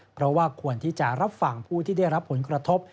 เพราะว่าควรที่จะรับฟังผู้ที่ได้รับผลกระทบ